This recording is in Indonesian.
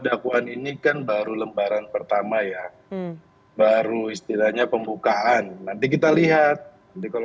dakwaan ini kan baru lembaran pertama ya baru istilahnya pembukaan nanti kita lihat nanti kalau